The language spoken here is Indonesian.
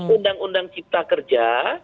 undang undang cipta kerja